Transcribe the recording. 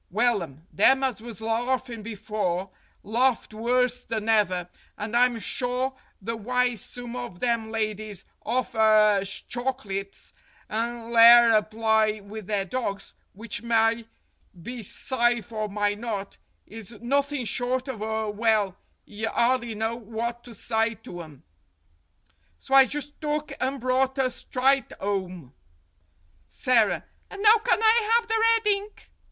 "Wellum. Them as was larfin' before larfed worse than ever, and I'm shaw the wye some of them lyedies offer 'er chocklits and ler 'er plye with their dogs, which mye be sife or mye not, is nothin' short of a well, you 'ardly know what to sye to 'em. So I just took and brought 'er strite 'ome." Sara : And now can I have the red ink